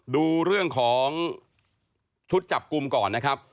ดูเรื่องของชุดจับกลุ่มก่อนนะครับ